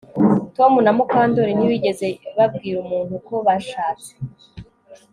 Tom na Mukandoli ntibigeze babwira umuntu ko bashatse